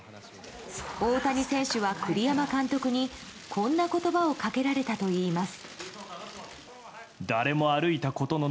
大谷選手は栗山監督にこんな言葉をかけられたといいます。